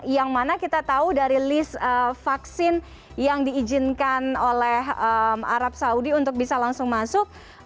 yang mana kita tahu dari list vaksin yang diizinkan oleh arab saudi untuk bisa langsung masuk